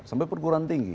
sampai perguruan tinggi